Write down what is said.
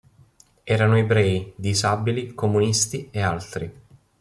Erano ebrei, disabili, comunisti e altri.